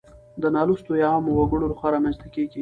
د نالوستو يا عامو وګړو لخوا رامنځته کيږي.